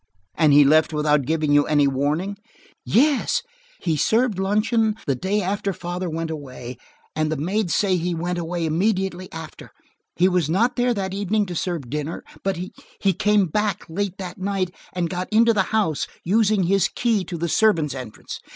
"And he left without giving you any warning?" "Yes. He served luncheon the day after father went away, and the maids say he went away immediately after. He was not there that evening to serve dinner, but–he came back late that night, and got into the house, using his key to the servants' entrance.